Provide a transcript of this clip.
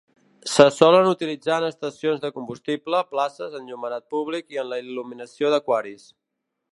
Se solen utilitzar en estacions de combustible, places, enllumenat públic i en la il·luminació d'aquaris.